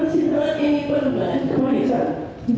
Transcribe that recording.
persidangan ini permanen kemanisan